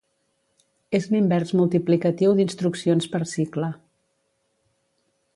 És l'invers multiplicatiu d'instruccions per cicle.